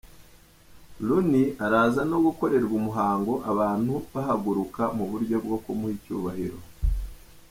Rooney araza no gukorerwa umuhango abantu bahaguruka mu buryo bwo kumuha icyubahiro.